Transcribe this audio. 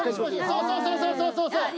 そうそうそうそうそう！